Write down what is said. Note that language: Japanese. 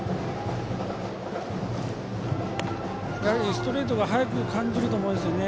ストレートが速く感じると思うんですよね。